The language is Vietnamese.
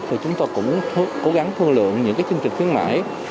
thì chúng ta cũng cố gắng thương lượng những chương trình khuyến mãi